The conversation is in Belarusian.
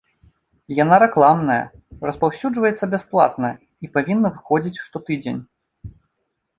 Яна рэкламная, распаўсюджваецца бясплатна і павінна выходзіць штотыдзень.